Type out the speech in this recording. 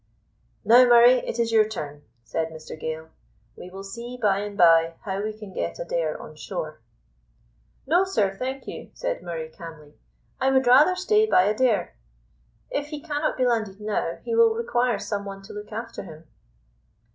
"Now, Murray, it is your turn," said Mr Gale; "we will see by and by how we can get Adair on shore." "No, sir, thank you," said Murray calmly; "I would rather stay by Adair. If he cannot be landed now, he will require some one to look after him."